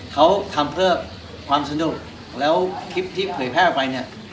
เขาทำเพื่อกว่าความสนุกแล้วคลิปที่ถ่วยแพพลออกไป